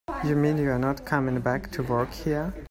You mean you're not coming back to work here?